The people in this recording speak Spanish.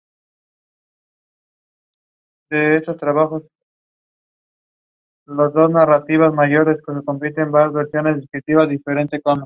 A partir de este "eco" se puede extraer gran cantidad de información.